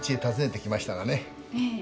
ええ。